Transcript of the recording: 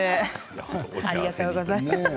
ありがとうございます。